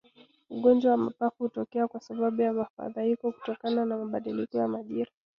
Ugonjwa wa mapafu hutokea kwa sababu ya mfadhaiko kutokana na mabadiliko ya majira